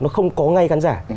nó không có ngay khán giả